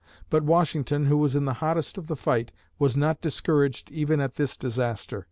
But Washington, who was in the hottest of the fight, was not discouraged even at this disaster.